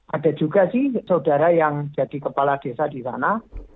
ada juga sih saudara yang jadi kepala desa di sana